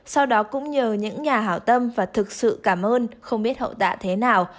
sau đó cũng nhờ những nhà hảo tâm và thực sự cảm ơn không biết hậu tạ thế nào